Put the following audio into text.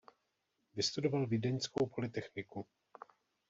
Vystudoval vídeňskou polytechniku.